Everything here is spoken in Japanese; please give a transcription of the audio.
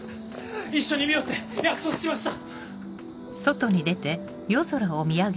一緒に見ようって約束しました。